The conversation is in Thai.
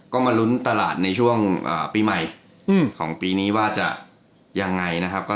ก็มาลุ้นตลาดในช่วงปีใหม่ของปีนี้ว่าจะยังไงนะครับ